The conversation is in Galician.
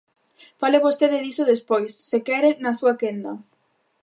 Fale vostede diso despois, se quere, na súa quenda.